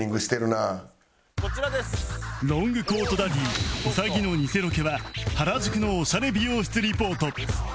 ロングコートダディ兎のニセロケは原宿のオシャレ美容室リポート